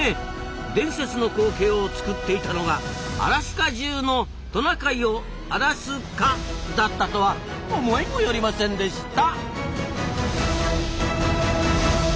伝説の光景を作っていたのがアラスカじゅうのトナカイを「荒らす蚊」だったとは思いもよりませんでした。